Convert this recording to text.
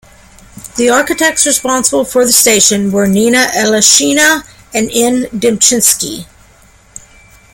The architects responsible for the station were Nina Aleshina and N. Demchinsky.